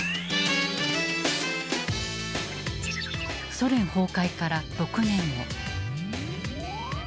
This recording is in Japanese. ソ連崩壊から６年後。